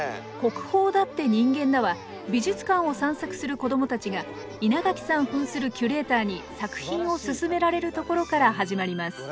「国宝だって人間だ！」は美術館を散策する子どもたちが稲垣さんふんするキュレーターに作品をすすめられるところから始まります。